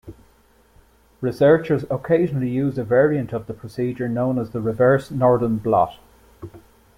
Researchers occasionally use a variant of the procedure known as the reverse northern blot.